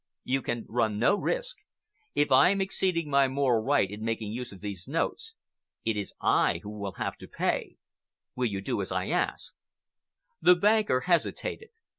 You can run no risk. If I am exceeding my moral right in making use of these notes, it is I who will have to pay. Will you do as I ask?" The banker hesitated.